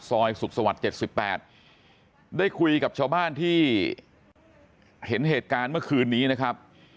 ซอยสุขสวรรค์๗๘ได้คุยกับชาวบ้านที่เห็นเหตุการณ์เมื่อคืนนี้นะครับ